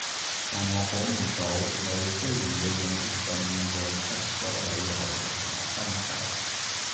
但我估唔到你居然會用啲噉嘅濕鳩理由嚟同我分手